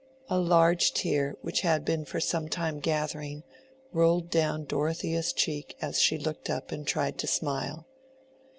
A large tear which had been for some time gathering, rolled down Dorothea's cheek as she looked up and tried to smile.